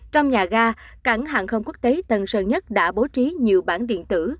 trong nhà ga cảng hàng không quốc tế tân sơn nhất đã bố trí nhiều bản điện tử